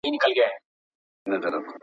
څېړونکی حقایق لټوي.